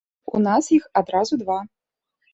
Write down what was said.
У нас іх адразу два.